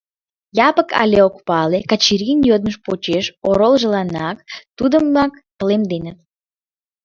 Япык але ок пале, Качырийын йодмыж почеш оролжыланат тудымак палемденыт.